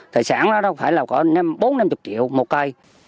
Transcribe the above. tài sản đó đâu phải là có bốn mươi năm mươi triệu một cây